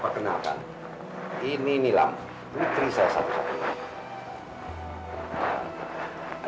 perkenalkan ini nilam putri saya satu satu